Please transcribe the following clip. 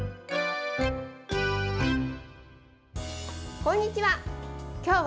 こんにちは。